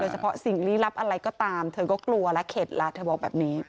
เฉพาะสิ่งลี้ลับอะไรก็ตามเธอก็กลัวแล้วเข็ดละเธอบอกแบบนี้